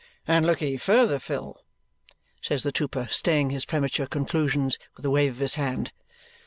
"And lookye further, Phil," says the trooper, staying his premature conclusions with a wave of his hand.